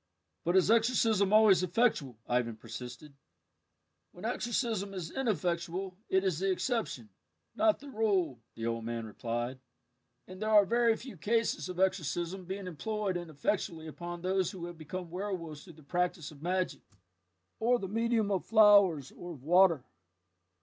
"But is exorcism always effectual?" Ivan persisted. "When exorcism is ineffectual it is the exception, not the rule," the old man replied, "and there are very few cases of exorcism being employed ineffectually upon those who have become werwolves through the practice of magic, or the medium of flowers or of water."